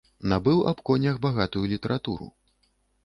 Набыў аб конях багатую літаратуру.